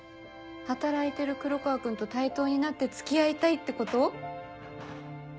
働いてる黒川君と対等になって付き合いたいってこと？